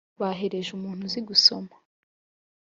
bahereje umuntu uzi gusoma